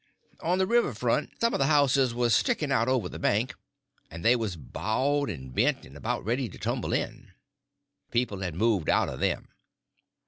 On the river front some of the houses was sticking out over the bank, and they was bowed and bent, and about ready to tumble in. The people had moved out of them.